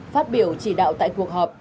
phát biểu chỉ đạo tại cuộc họp